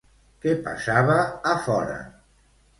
Què passava a fora?